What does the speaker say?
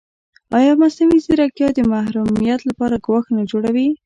ایا مصنوعي ځیرکتیا د محرمیت لپاره ګواښ نه جوړوي؟